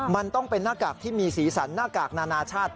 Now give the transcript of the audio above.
มันต้องเป็นหน้ากากที่มีสีสันหน้ากากนานาชาติ